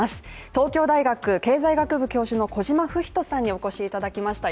東京大学経済学部教授の小島武仁さんにお越しいただきました